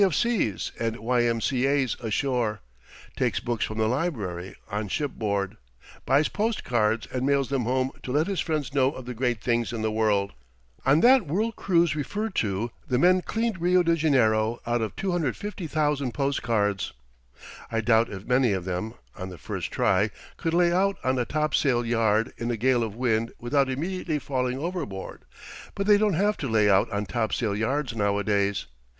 of C.'s, and Y. M. C. A.'s ashore, takes books from the library on shipboard, buys post cards and mails them home to let his friends know of the great things in the world. On that world cruise referred to the men cleaned Rio de Janeiro out of 250,000 post cards. I doubt if many of them, on the first try, could lay out on a topsail yard in a gale of wind without immediately falling overboard; but they don't have to lay out on topsail yards nowadays.